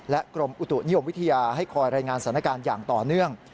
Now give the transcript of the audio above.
กรมอุตุนิยมวิทยาให้คอยรายงานสถานการณ์อย่างต่อเนื่อง